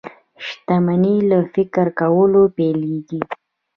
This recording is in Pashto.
شتمني له فکر کولو پيلېږي.